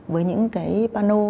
với những cái pano